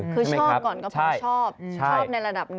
คือชอบก่อนก็เพราะชอบ